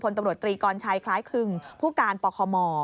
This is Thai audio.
ตำรวจตรีกรชัยคล้ายคลึงผู้การปคม